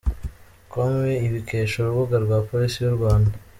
com ibikesha urubuga rwa Polisi y’u Rwanda.